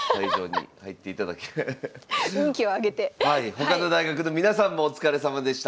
他の大学の皆さんもお疲れさまでした。